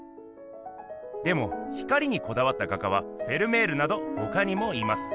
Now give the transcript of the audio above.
でも光にこだわった画家はフェルメールなどほかにもいます。